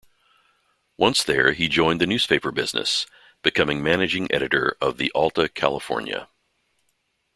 Once there he joined the newspaper business, becoming managing editor of the "Alta California".